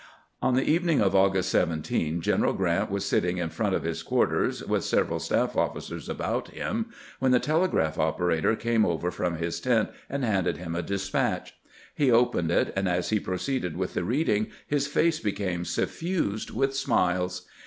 On the evening of August 17 General Grant was sit ting in front of his quarters, with several staff of&cers about him, when the telegraph operator came over from his tent and handed him a despatch. He opened it, and as he proceeded with the reading his face became suffused with smiles.